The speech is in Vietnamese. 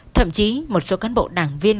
thậm chí một số cán bộ đảng viên